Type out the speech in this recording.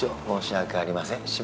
申し訳ありません。